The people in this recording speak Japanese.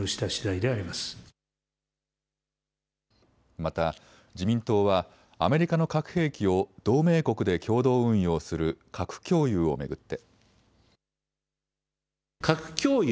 また自民党はアメリカの核兵器を同盟国で共同運用する核共有を巡って。